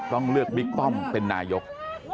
ต้องเลือกบิ๊กป้อมเป็นนายก